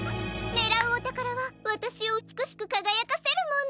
ねらうおたからはわたしをうつくしくかがやかせるもの。